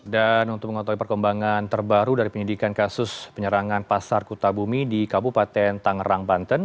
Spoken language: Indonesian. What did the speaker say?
dan untuk mengontrol perkembangan terbaru dari penyelidikan kasus penyerangan pasar kota bumi di kabupaten tangerang banten